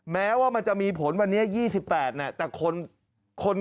แม้ว่ามันจะมีผลวันนี้๒๘แต่คน